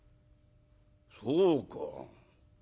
「そうか。